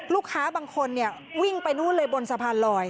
ลูกค้าบางคนวิ่งไปนู่นเลยบนสะพานลอย